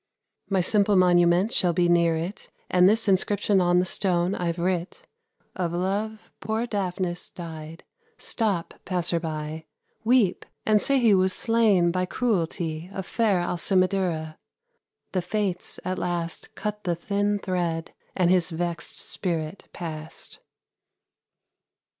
My simple monument shall be near it, And this inscription on the stone I've writ 'Of love poor Daphnis died. Stop, passer by! Weep, and say he was slain by cruelty Of fair Alcimadura.'" The Fates at last Cut the thin thread, and his vexed spirit passed.